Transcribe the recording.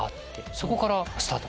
そこからスタート。